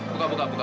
buka buka buka